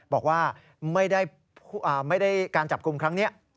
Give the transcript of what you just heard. บอกว่าไม่ได้การจับกลุ่มครั้งนี้